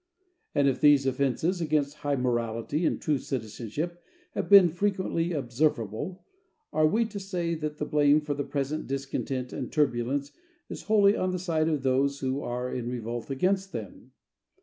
And if these offenses against high morality and true citizenship have been frequently observable, are we to say that the blame for the present discontent and turbulence is wholly on the side of those who are in revolt against them?